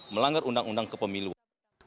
melanggar undang undang kepemiluan